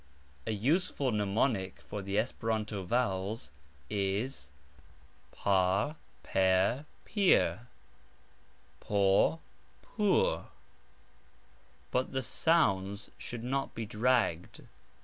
A useful mnemonic for the Esperanto vowels is pAr, pEAr, pIEr, pORe, pOOr, but the sounds should not be dragged.